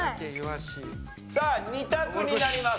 さあ２択になります。